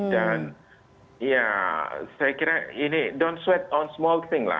dan ya saya kira ini don't sweat on small thing lah